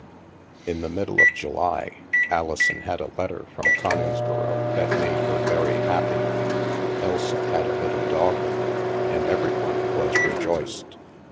In the middle of July, Alison had a letter from Coningsboro that made her very happy. Elsa had a little daughter, and every one was rejoiced.